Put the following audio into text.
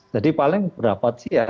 jadi paling berapa sih ya